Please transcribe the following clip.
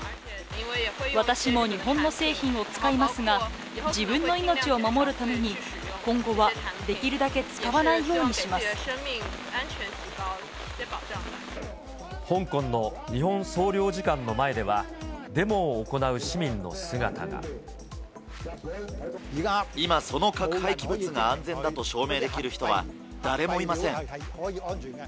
私も日本の製品を使いますが、自分の命を守るために、今後はで香港の日本総領事館の前では、今、その核廃棄物が安全だと証明できる人は誰もいません。